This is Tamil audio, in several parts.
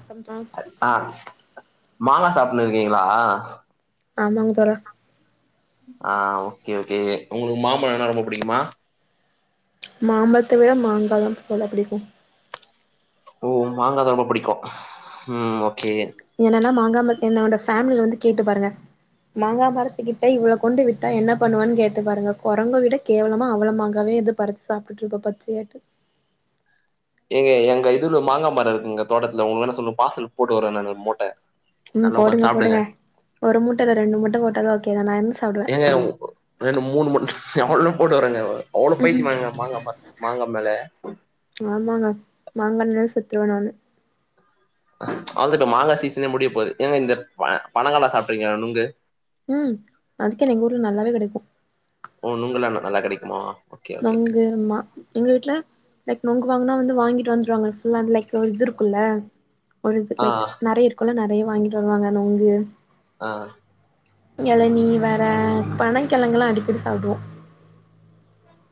[unintelligible] அ மாங்க சாப்டுண்ணு இருக்கீங்ளா ஆமாங் தோழா ஆ ஓகே ஓகே உங்ளு மாம்பழனா ரொம்ப புடிக்குமா மாம்பழத்த விட மாங்கா தா தோழா புடிக்கும் ஓ உ மாங்காதா ரொம்ப புடிக்கும் ம் ஓகே என்னன்னா மாங்காமல் என்னோட ஃபேமில்ல வந்து கேட்டு பாருங்க மாங்கா மரத்துக்கிட்ட இவ்வள கொண்டு விட்டா என்ன பண்ணுவான்னு கேட்டு பாருங்க குரங்க விட கேவலமா அவ்வள மாங்காவே இது பறிச்சி சாப்புட்டு இருப்ப பச்சையாட்டு ஏங்க எங்க இதுல மாங்கா மர இருக்குங்க தோட்டத்துல உங்களுக்கு வேனுனா சொல்லுங்க பார்சல் போட்டு வுர்ர நானு மூட்ட ம் நல்லா உக்காந்து போடுங்க சாப்டுங்க போடுங்க ஒரு மூட்டல ரெண்டு மூட்ட போட்டாலு ஓகே தா நா இருந்து சாப்புடுவ ஏங்க ரெண்டு மூணு மூட்ட எவ்வளனா போட்டு வுற்றங்க அவ்ளோ பயித்தியமாங்க மாங்கா மரத் மாங்கா மேல ஆமாங்க மாங்காண்ணா செத்துருவ நானு அவ்வளதா இப்ப மாங்கா சீசனே முடிய போகுது ஏங்க இந்த பனங்கலா சாப்புட்டுறீங்களா நுங்கு ம் அதுக்கு என்ன எங்க ஊருல நல்லாவே கெடைக்கும் ஓ நுங்குளா நல்லா கெடைக்குமா ஓகே ஓகே நோங்கு மா எங்க வீட்டுல லைக் நோங்கு வாங்குனா வந்து வாங்கிட்டு வந்துருவாங்க ஃபுல்லா லைக் இது இருக்குல்ல ஒரு இது ஆ லைக் நெறைய இருக்குல்ல நெறைய வாங்கிட்டு வருவாங்க நோங்கு ஆ எளநி வேற பனங்கெழங்குலா அடிக்கடி சாப்டுவோ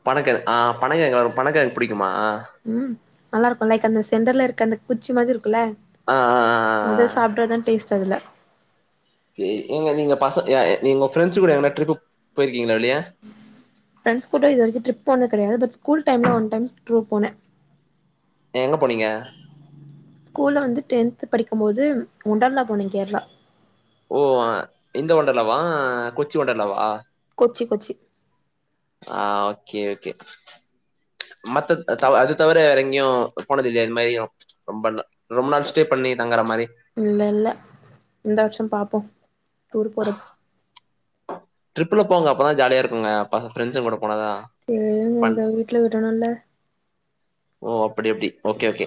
பணக்கு ஆ பணக்கெகு ரொ பணங்கெழங்கு புடிக்குமா ம் நல்லா இருக்குல்ல லைக்ஸ அந்த சென்டர்ல இருக்க அந்த குச்சி மாதிரி இருக்குல்ல அ அ அ அது சாப்டாதா டேஸ்ட் அதுல்ல சேரி நீங்க நீங்க பச எ நீங்க ஃப்ரெண்ட்ஸ் கூட எங்னா ட்ரிப்பு போயிருக்கீங்ளா வெளிய ஃப்ரெண்ட்ஸ் கூட இதுவரைக்கும் ட்ரிப் போனது கெடையாது பட் ஸ்கூல் டைம்ல ஒன் டைம் டூர் போனேன் எங்க போனீங்க ஸ்கூல்ல வந்து டென்த் படிக்கும் போது ஒண்டர்லா போனேன் கேரளா ஓ இந்த ஒண்டர்லாவா கொச்சி ஒண்டர்லாவா கொச்சி கொச்சி ஆ ஓகே ஓகே மத்த தவ அது தவிர வேற எங்கேயும் போனது இல்லையா இது மாதிரியும் ரொம்ப நா ரொம்ப நாள் ஸ்டே பண்ணி தங்குற மாதிரி இல்ல இல்ல இந்த வருஷம் பாப்போம் டூர் போறது ட்ரிப்ல போங்க அப்போதான் ஜாலியா இருக்குங்க பா ஃப்ரெண்டஸ் கூட போனதான் எஏங்க எங்க வீட்ல விடணும்ல்ல ஓ அப்டி அப்டி ஓகே ஓகே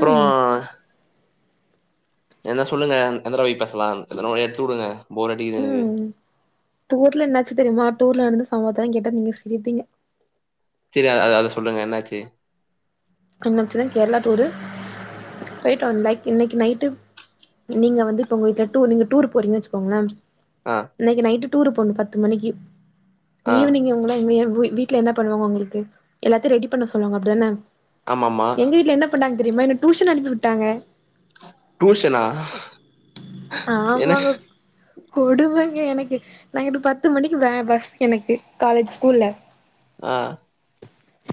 ம் என்ன சொல்லுங்க எந்த டாப்பிக் பேசலாம் எதுனா ஒன்னு எடுத்து வுடுங்க போர் அடிக்குது ம் டூர்ல என்னாச்சு தெரியுமா டூர்ல நடந்த சம்பவத்த கேட்டா நீங்க சிரிப்பீங்க செரி அ அத சொல்லுங்க என்னாச்சு என்னாச்சுனா கேரளா டூரு போயிட்டு வந்த லைக் இன்னைக்கு நைட்டு நீங்க வந்து இப்ப உங்க வீட்டுல டூர் நீங்க டூர் போறீங்க வெச்சுக்கோங்களன் ஆ இன்னைக்கு நைட்டு டூரு போணும் பத்து மணிக்கு ஆ ஈவினிங் உங்கள இங்கயே வு வீ ட்ல என்ன பண்ணுவாங்க உங்களுக்கு எல்லாத்தையும் ரெடி பண்ண சொல்லுவாங்க அப்படிதான ஆமாமா எங்க வீட்டுல என்ன பண்ணாங்க தெரியுமா என்ன டியூஷன் அனுப்பி விட்டாங்க டியூஷனா என்ன ஆமாங்க கொடுமங்க எனக்கு நாங்க இனீ பத்து மணிக்கு வேன் பஸ் எனக்கு காலேஜ் ஸ்கூல்ல ஆ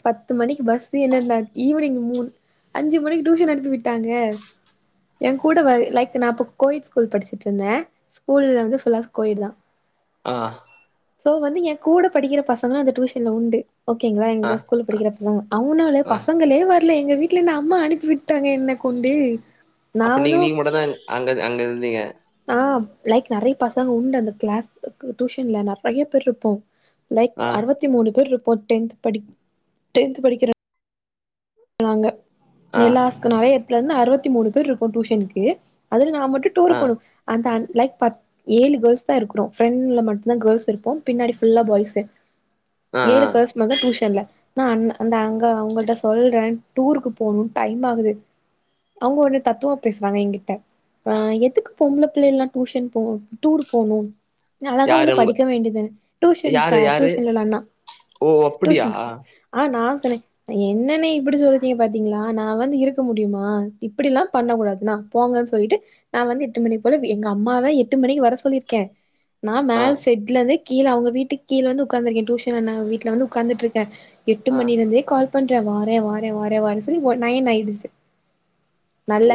பத்து மணிக்கு பஸ் என்னன்னா ஈவினிங் மூணு அஞ்சு மணிக்கு டியூஷன் அனுப்பி விட்டாங்க என் கூட வ லைக் நான் கோவிட் ஸ்கூல் படிச்சிட்டு இருந்தேன் ஸ்கூல்ல வந்து ஃபுல்லா கோயடு தான் ஆ சோ வந்து என் கூட படிக்கிற பசங்க அந்த டியூஷன்ல உண்டு ஓகேங்ளா ஆ [unintelligible] ஸ்கூல் படிக்கிற பசங்க அவனாலே ஆ பசங்களே வரல எங்க வீட்ல என்ன அம்மா அனுப்பி விட்டாங்க என்ன கொண்டு நா அப்ப நீங்க ஒன்னு நீங்க மட்ட தான் அங்க அங்க இருந்தீங்க ஆ லைக் நிறைய பசங்க உண்டு அந்த கிளாஸ் டியூஷன்ல நிறைய பேர் இருப்போம் ஆ லைக் அறுவத்தி மூணு பேர் ரிப்போ டென் டென்த் படிக்கிற நாங்க ஆ எல்லாஸ் நிறைய எடத்துல இருந்து அறுலத்தி மூணு பேர் இருப்போ டியூஷன்க்கு அதுல நா மட்டு ஆ டூர் போனும் அந்த அந் லைக் பத்து ஏழு கேர்ள்ஸ் தா இருக்கிறோம் ஃப்ரெண்ட்ல மட்டும்தா கேர்ள்ஸ் இருப்போம் பின்னாடி ஃபுல்லா பாய்ஸ் ஆ ஆ ஏழு கேர்ள்ஸ் மக டியூஷன்ல நான் அண்ண அந்த அங்க அவங்கள்ட்ட சொல் ற டூருக்கு போகணும் டைம் ஆகுது அவங்க ஒண்ண தத்துவமா பேசுறாங்க என்கிட்ட அ எதுக்கு பொம்பள பிள்ளைலா டூயூஷன் போன் டூரு போனு ஞழகா யாரு வந்து உங்க படிக்க வேண்டியதுன்னு டியூஷன் யாரு சார் யாரு டியூஷன்லலா அண்ணா ஓ அப்படியா டியூஷன்கு ஆ நா சொன்னே எண்ணணே இப்புடி சொல்லுதீக பாத்தீங்ளா நா வந்து இருக்க முடியுமா இப்புடிலா பண்ண கூடாது நா போங்கன் சொல்லிட்டு நா வந்து எட்டு மணி போல எங்க அம்மா எட்டு மணிக்கு வர சொல்லியிருக்கே நா ஆ மேல செட்ல இருந்து கீழ அவுங்க வீட்டுக்கு கீழே வந்து ஒக்காந்துட் இருக்கே டியூஷன்ல நான் வீட்டுல வந்து உட்காந்துட்டு இருக்கேன் எட்டு ஆ மணியலருந்தே கால் பண்ற வறே வறை வறே வறேன் சொல்லி நையன் ஆயிடுச்சு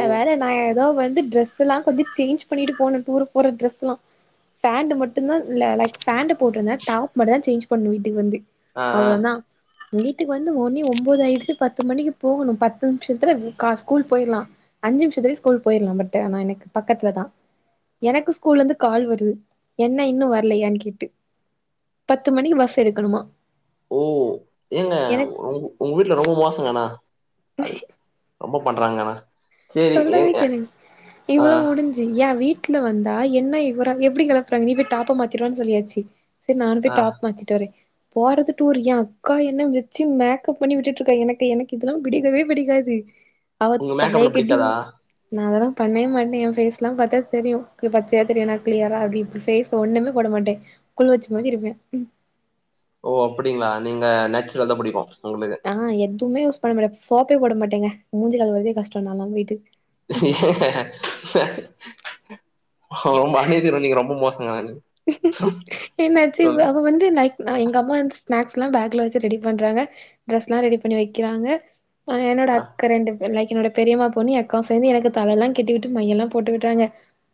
ஓ வேற நா ஏதோ வந்து ரெஸ் எல்லா கொஞ்சோ சேஞ்ச் பண்ணிட்டு போனேன் டூருக்கு போற டிரரெஸ்லா ஃபேண்ட் மட்டும்தா இல்ல லைக் ஃபேண்ட் போட்டிருந்தா டாப் மட்டும் தா சேஞ்ச் பண்ணு வீட்டுக்கு வந்து ஆ ஆ அவ்ளோ தா வீட்டுக்கு வந்து மணி ஒன்பதாயிச்சி பத்து பத்து மணிக்கு போகணு பத்து நிமிஷத்துல கா ஸ்கூல் போயில்லா அஞ்சு நிமித்துலயே ஸ்கூல் போயிட்லா பட் ஆன எனக்கு பக்கத்துல தா எனக்கு ஸ்கூல்ல இருந்து கால் வருது என்ன இன்னு வர்லையன்னனு கேட்டு பத்து மணிக்கு பஸ் எடுக்கணுமா ஓ ஏங்க எனக்கு உ உங்க வீட்ல ரொம்ப மோசங்க ஆனா அது ரொம்ப பண்ணுறாங்க ஆனா சொல்றதே கேளுங்க ஆ இவ்ளவு முடிஞ் ஜி ஏ வீட்ல வந்தா என்ன இவர எப்டி கெளப்புறாங்க நீ போய் டாப்ப மாத்திடுவான் சொல்லியாச்சி சேர் நானு ஆ போய் டாப் மாத்திட்டு வரே போறது டூரு ஏ அக்கா என்ன வெச்சி மேக்கப் பண்ணி விட்டுட்டிருக்கா எனக்கு எனக்கு இதெலாம் பிடிக்கவே பிடிக்காது அவத் தலைக் காதா நா அதெல்லா பண்ணவே மாட்டே எயா ஃபேஸ்லா பாத்தா தெரியு பச்சையா தெரியு நா கிளியரா அப்டி ஃபேஸ் கு ஒன்னுமே போட மாட்டே குலு வெச்ச மாரி இருப்பே ஓ அப்டிங்ளா நீங்க நேச்சுரல்தா புடிக்கு உங்ளுக்கு ஆ எதுமே யூஸ் பண்ண மாட்ட சோப்பே போட மாட்டேங்க மூஞ்ச கழுவரதே கஷ்ட நாலா வீட்டுக் ஓ மன்னிச்சிருங்க நீங்க ரொம்ப மோசங்க ஆனாலு என்னாச்சி இவ அவ வந் து லைக் நா எங்க அம்மா வந்து ஸ்நாக்ஸ்லா பேக்ல வெச்சு ரெடி பண்றாங்க டிரெஸ்லா ரெடி பண்ணி வெக்கிறாங்க ஆ என்னோட அக்கா ரெண்டு லைக் என்னோட பெரியமா பொண்ணி எயா அக்காவு சேந்து எனக்கு தலல்லா கெட்டிவிட்டு மையெல்லா போட்டு விட்றாங்க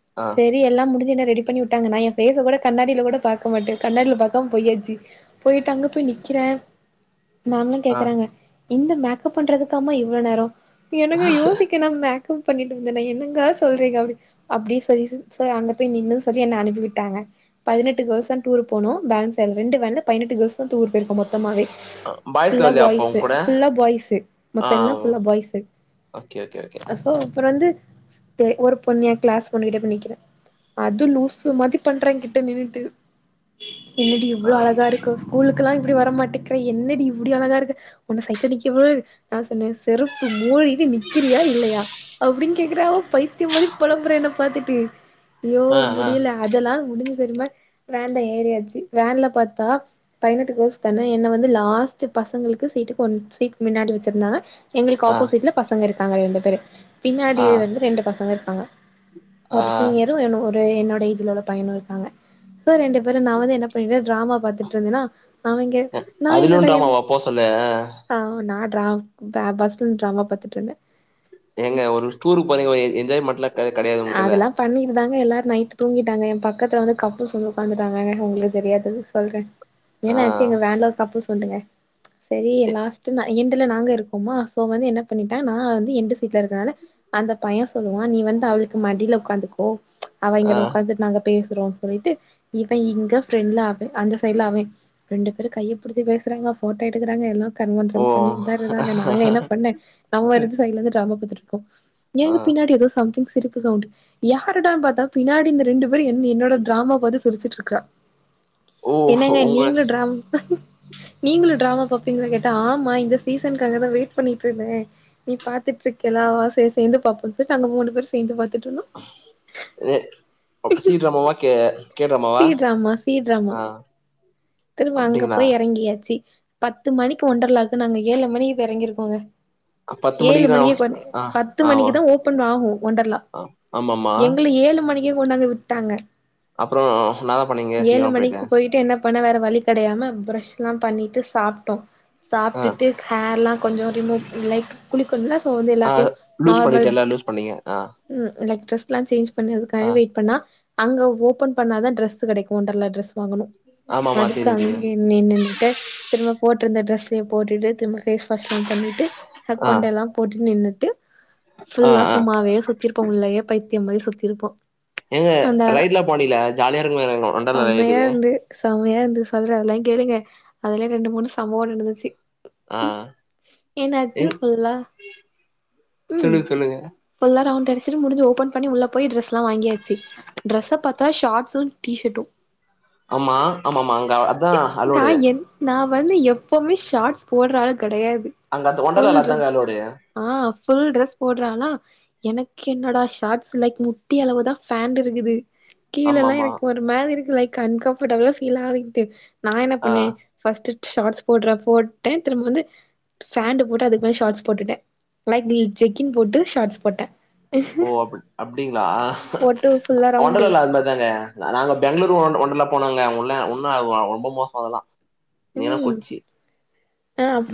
ஆ சேரி எல்லா முடிஞ்சி என்ன ரெடி பண்ணிவுட்டாங்க நா ஏ ஃபேஸ்ஸ கூட கண்ணாடில கூட பாக்க மாட்டே கண்ணாடில பாக்காம பொயாச்சி போயிட்டு அங்க போய் நிக்கிறே மேம்லா ஆ கேக்கறாங்க இந்த மேக்கப் பண்றதுக்காம இவ்ளோ நேரோ எனக்கு யோசிக் க நா மேக்கப் பண்ணிட்டு இருந்தனா என்னங்க சொல்றீங்க அப்டி அப்டி செரி செரி சோ அங்க போய் நின்னு சொல்லி என்ன அனுப்பிவிட் டாங்க பதினெட்டு கேள்ஸ் தா டூர் போனு பேலன்ஸ் ரெண்டு வேன்ல பதினெட்டு கேள்ஸ் தா டூர் போயிருக்கோ மொத்தமாவே பாய்ஸ்லா ஃபுல்லா இல்லையா அப்போ பாய்ஸ்சு உங்க கூட ஃபுல்லா பாய்ஸ்சு மத்த எல்லா ஃபுல்லா பாய்ஸ்சு கேக்க அப்போ அப்றோ வந்து போய் ஒரு பொண்ணு எயா கிளாஸ் பொண்ணு கிட்ட போய் நிக்கிறே அது லூசு மாதி பண்றே கிட்ட நின்னுட்டு என்ன டி இவ்ளோ ஆ அழகா இருக்க ஸ்கூலுக்கு எல்லா இப்டி வரமாட்டேக்கிறே என்ன டி இப்டி அழகா இருக்க உன்ன சைட்டடிக்க போ நா சொன்னே செருப்பு மூடிகிட்டு நிக்கிறியா இல்லையா அப்டின்னு கேக்குறாவ பைத்தியம் மாதி புளம்புறா என்ன பாத்துட்டு ஐயோ ஆ ஆ முடியல அதெல்லா முடிஞ்சி சரிமா வேன்ல ஏறியாச்சி வேன்ல பாத்தா பதினெட்டு கோஸ் தானே என்ன வந்து லாஸ்ட் பசங்களுக்கு சீட்டுக்கு ஒன் சீட் மின்னாடி வச்சிருந்தாங்க எங்களுக்கு ஆ ஆப்போசிட்ல பசங்க இருக்காங்க ரெண்டு பேரு பின்னாடி ஆ வந்து ரெண்டு பசங்க இருப்பாங்க ஆ ஒரு சீனியரு இன்னோரு என்னோடைய இதுல உள்ள பையனு இருக்காங்க சோ ரெண்டு பேரு நா வந்து என்ன பண்ணிட்ருந்தேனா ட்ராமா பாத்துட்ருந்தேன்னா அவிங்க நா அதுலயு என்னடா என் டிராமாவா போ சொல்லு அ நா ட்ரா பஸ்ல ட்ராமா பாத்துட்டுருந்தே ஏங்க ஒரு டூர் போறீங்க என் என்ஜாய்மென்ட்லா அதலா பண்ணிட்டுதாங்க எல்லாரு நைட் தூங்கிட்டாங்க எம் பக்கத்துல வந்து கப்புல்ஸ் வந்து உக்காந்துட்டாங்கங்க உங்ளுக்கு தெரியாது சொல்றே ஆ என்னாச்சு எங்க வேன்ல ஒரு கப்புல்ஸ் உண்டுங்க சரி எ- லாஸ்ட் நா எண்டுல நாங்க இருக்கோமா சோ வந்து என்ன பண்ணிட்டாங்க நா வந்து எண்டு சீட்ல இருக்கதுனால அந்த பைய சொல்லுவா நீ வந்து அவளுக்கு மடில உக்காந்துக்கோ அவ ஆ இங்கன உக்காந்துட்டு நாங்க பேசுறோ சொல்லிட்டு இவ இங்க ஃப்ரெண்ட்ல அவ அந்த சைட்ல அவே ரெண்டு பேரு கையபுடுச்சி பேசுறாங்க போட்டோ எடுக்குறாங்க எல்லா ஓ கருமாந்ரமு பண்ணிட்தா இருக்குறாங்க நாங்க என்ன பண்ண நம்ம ஒருது சைட்ல இருந்து டிராமா பாத்துட்டு இருக்கோ ஆ எங்கே பின்னாடி ஏதோ சம்திங் சிரிப்பு சவுண்ட்டு யாருடானு பாத்தா பின்னாடி இந்த ரெண்டு பேரு என் என்னோட டிராமா பாத்து சிரிச்சுட்ருக்ரா ஓ என்னங்க உங்க நீங்களு ட்ராம் நீங்களு டிராமா பாப்பிங்ளா கேட்டா ஆமா இந்த சீசன்க்காக தா வெயிட் பண்ணிட்டுருந்தே நீ பாத்துட்டுருக்கேலா சேர் சேந்து பாப்போன்ட்டு நாங்க மூணு பேரு சேந்து பாத்துட்ருந்தோ ஏ சீ ட்ராமாவ கே கே சீ டிராமாவா ட்ராமா சீ ட்ராமா ஆ திரும்ப அங்க அப்டிங்களா போய் எறங்கியாச்சு பத்து மணிக்கு ஒன்றர்லாக்கு நாங்க ஏழு மணிக்குபோய் எறங்கிருக்கோங்க பத்து ஏழு மணிக்கு நா மணியே ஆ பத்து மணிக்குதா ஓபன் ஆகு ஒண்டர்லா அ ஆமா ஆமா எங்கள ஏழு மணி க்கே கொண்டாந்து வுட்டாங்க அப்ரோ நாத ஏழு மணிக்கு பொய்ட்டு என்ன பண்ண வேற வழி கெடயாம ப்ரெஷ்ல்லா பண்ணிட்டு சாப்ட்டோ ஆ சாப்ட்டுட்டு ஹேர் லா கொஞ்சோ ரிமு லைக் குளிக்குணுல்ல அப்போ வந்து ஆ எல்லாத்யு லூஸ் நார்மல் பண்ணிட்டேல்ல லூஸ் பண்ணீங்க ஆ ம் லைக் ட்ரெஸ்ல்லா சேஞ்ச் ஆ பண்ரதுக்காக வெயிட் பண்ணா அங்க ஓபன் பண்ணா தா ட்ரஸ்க் கெடைக்கு ஒன்டர்லா ட்ரஸ் வாங்கணு ஆமாமா அதுக்கு தெரியு தெரியு அங்கே மே நின்னுட்டு திரும்ப போட்ருந்த ட்ரஸ்சயே போட்டுட்டு திரும்ப ஃபேஸ் வாஷ்ல்லா பண்ணிட்டு ஆ கொண்டெல்லா போட்டு நின்னுட்டு ஆ ஃபுல்லா ஆ சும்மாவே சுத்திருப் போ உள்ளயே பைத்தியோமாரி சுத்திரிப்போ. எங்க ரைட்ல்லா போனீங்லா ஜாலியா இருக்கு [unintelligible] செம்மயா இருந்து செம்மையா இருந்து சொல்ற அதெல்லா கேளுங்க. அதுல்யே ரெண்டு மூணு சம்பவோ நடந்துச்சி ஆ ம் என்ன ஆச்சு எங் ஃபுல்லா ம் சொல்லுங்க சொல்லுங்க ஃபுல்லா ரவுண்ட் அடுச்சுட்டு முடுஞ்சு ஓபன் பண்ணி உள்ள போயி ட்ரஸ்லா வாங்கியாச்சு டிரெஸ்ச பாத் தா ஷார்ட்ஸ்சு டீஷெட்டு ஆமா ஆமா ஆமா அங்க அதா நா அலௌடு என் நா வந்து எப்பொமே ஷாட்ஸ் போட்ற ஆளு கெடையாது அங்க அன்ட ஒண்டலல்ல அதாங்க அலோடேய ஆஹ் ஃபுல் ட்ரெஸ் போட்றாளா எனக்கு என்னடா ஷார்ட்ஸ் லைக் முட்டி அளவு தா ஃபேன்ட் இருக்குது ஆமா கீழெல்லா ஆமா எனக்கு ஒரு மாரி இருக்கு லைக் அன்கம்ஃபடபிளா ஃபீல் ஆவதுண்டு நா என்ன ஆ பண்ண ஃபஸ்ட்ட் ஷார்ட்ஸ் போட்றா போட்டே திரும்ப வந்து ஃபேண்ட போட்டு அதுக்கு மேல ஷாட்ஸ் போட்டுட்ட லைக் நீ ஜெக்கின் போட்டு ஷாட்ஸ் போட்ட ஓ அப் அப்டீங்ளா போட்டு ஃபுல்லா ரவுண்டு ஒண்டர்லால அது மாரி அதாங்க நாங்க பெங்ளூர் ஒ ஒண்டர்லா போனோங்க அங்குள்ள ஒன்ன ரொம்ப மோசோ அதெல்லா நீங்க ம் கொச்சி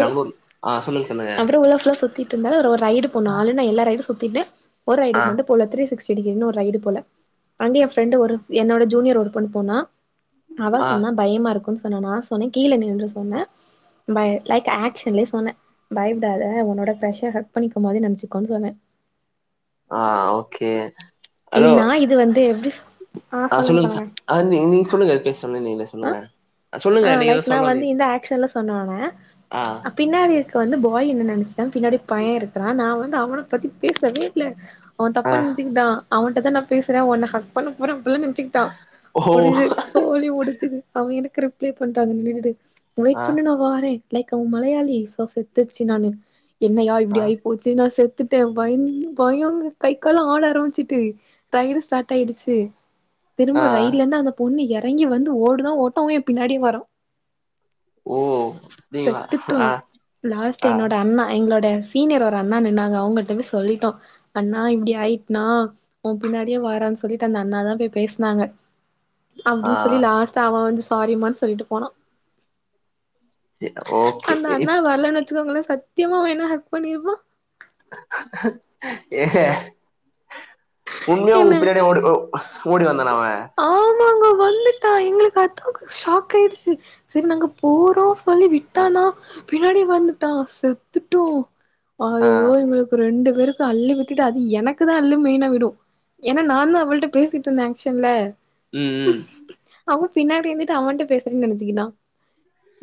பெங்ளூர் ஆ சொல்லுங்க சொல்லுங்க அப்ரோ உள்ள ஃபுல்லா சுத்தீட்டு இருந்தாளா அதுல ஒரு ரைடு போனோ ஆல்ரெடி நா எல்லா ரைடும் சுத்திட்ட ஒரு ஆ ரைடுக் மட்டு போல த்ரீ சிக்ஸ்டி டிகிரினு ஒரு ரைடு போல அங்கே ஏன் ஃப்ரெண்டு ஒரு என்னோட ஜூனியர் ஒரு பொண்ணு போனா அவ ஆ சொன்னா பய்மா இருக்குனு சொன்னனா நா சொன்னே கீழ நின்றுக்கோன்ன ப லைக் ஆக்சன்லே சொன்னே பய்ப்டாத உன்னோட ஃப்ஸ்ஸ ஹக் பண்ணிக்க மோதே நென்சுக்கோனு சொன்ன ஆ ஓகே ஹலோ ஏன் நா இது வந்து எப்டி சொ ஆ சொல்லுங்க ஆ நீ நீங்க சொல்லுங்க பே சொல்லிருந்தீங்க சொல்லுங்க சொல்லுங்க ஆ நீங்க ஏதோ லைக் நா சொல்ல வந்து வந்தீங்க இந்த ஆக்ஷன்ல சொன்னோன ஆ பின்னாடி இருக்க வந்து பாய் என்ன நனச்சுட்டான் பின்னாடி பைய்ய இருக்குறா நா வந்து அவனு பத்தி பேசவே இல்ல அவ தப்பா ஆ நென்சுக்கிட்டா அவன்டதா நா பேசுற உன்ன ஹக் பண்ண போற அப்பிள்ளா நெனச்சுக்கிட்டா ஓ புரிது சோலி முடிச்சுது அவ எனக்கு ரிப்ளை பண்றா அங்க நின்னுகிட்டு வெயிட் ஆ பண்ணு நா வாறே லைக் அவன் மலையாளி சோ செத்துச்சு நானு என்னயா இப்டி ஆ ஆய்போ நா செத்துட்ட பயந் பயோ கை கால்லா ஆட ஆரம்பிச்சுட் டு ரைடு ஸ்டாட் ஆயிடுச்சு ஆ திரும்ப ரைட்ல இருந்து அந்த பொண்ணு எறங்கி வந்து ஓடுதா ஓட்டோ எ பின்னாடியே வரா ஓ அப்டிங்களா செத்துட்டோ ஆ லாஸ்ட் ஆ என்னோட அண்ணா எங்ளோட சீனியர் ஒரு அண்ணா நின்னாங்க அவங்கிட்டமே சொல்லீட்டோ அண்ணா இப்டி ஆயிட்னா உன் பின்னாடியே வாறான் சொல்லீட்டு அந்த அண்ணாத போய் பேச்னாங்க ஆ அப்டின் சொல்லி லாஸ்ட் அவன் வந்து சாரிமானு சொல்லீட்டு போனா சேர் ஓகே அந்த அண்ணா இப் வர்லேனா வச்சுக்கோங்களே சத்தியமா அவ என்ன ஹக் பண்ணீருப்ப ஏஹ உண்மயா என்ன உங் பின்னாடி ஓடி ஓ ஓடி வந்தானா அவன் ஆமாங்க வந்துட்டா எங்ளுக்கு அத்தாங்க ஷாக் ஆய்டுச்சு செரி நாங்க போறோ சொல்லி ஆ விட்டானா பின்னாடியே வந்துட்டா செத்துட்டோ ஆ ஐயோ எங்களுக் ரெண்டு பேருக்கு அல்லு விட்டுட்டு அது எனக்குதா அல்லு மெயினா விடும் ஏனா நான்தா அவள்ட்ட பேசிட்டு இருந்த ஆக்சு சில்ல ம் ம் அவன் பின்னாடி இருந்துட்டு அவன்ட்ட பேசறன்னு நெனச்சிக்கிட்டா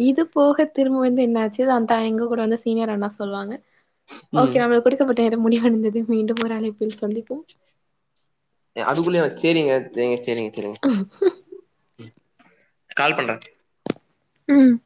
இது போக திரும்ப வந்து என்னாச்சு அந்தா எங்க கூட வந்து சீனியர் அண்ணா சொல்லுவாங்க ம் ஓகே நம்மளுக்கு குடுக்கப்பட்ட நேரம் முடிவடைந்தது மீண்டும் ஒரு அழைப்பில் சந்திப்போம் அதுக்குள்ளயா சேரிங்க சேரிங்க செரிங்க செரிங்க கால் பண்ற ம்